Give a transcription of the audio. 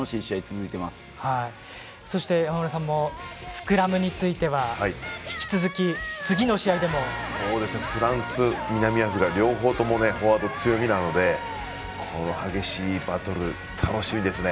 続いて、山村さんもスクラムについては引き続き、次の試合でも。フランス、南アフリカ両方ともフォワードが強みなので激しいバトル楽しみですね。